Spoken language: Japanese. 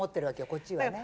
こっちはね。